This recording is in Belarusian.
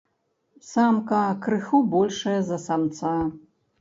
Самка крыху большая за самца.